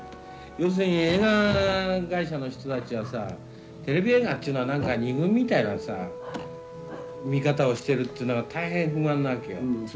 要するに映画会社の人たちはさテレビ映画っていうのは二軍みたいなさ見方をしてるっていうのが大変不満なわけよ。